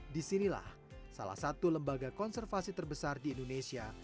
disinilah salah satu lembaga konservasi terbesar di indonesia